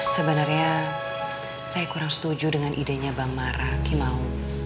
sebenarnya saya kurang setuju dengan idenya bang mara kimau